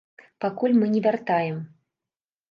Пакуль мы не вяртаем.